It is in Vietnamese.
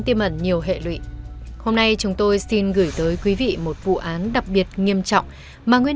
tiêm ẩn nhiều hệ lụy hôm nay chúng tôi xin gửi tới quý vị một vụ án đặc biệt nghiêm trọng mà nguyên